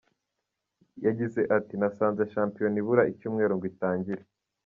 Yagize ati:"Nasanze Shampiyona ibura icyumweru ngo itangire.